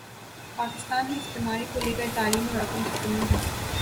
پاکستان میں اس بیماری کو لے کر تعلیم اور عقل کی کمی ہے